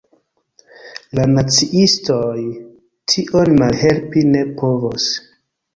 La naciistoj tion malhelpi ne povos.